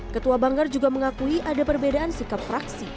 ketua banggar juga mengakui ada perbedaan sikap fraksi